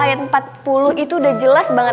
ayat empat puluh itu udah jelas banget